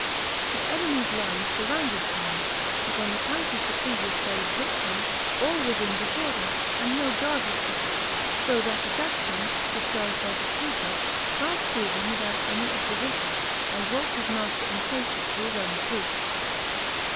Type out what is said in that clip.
The enemy's lines surrounded Tenna, but on account of the previous day's victory, all was in disorder, and no guard was kept, so that the Dutchman, disguised as a trooper, passed through them without any opposition, and brought his master in safety to his own troops.